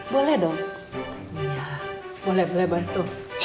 boleh dong boleh boleh bantu